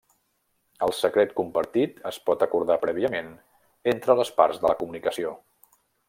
El secret compartit es pot acordar prèviament entre les parts de la comunicació.